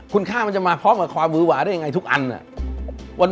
คุณค่ามันจะมาพร้อมกับความวื้อหวาได้ยังไงทุกอัน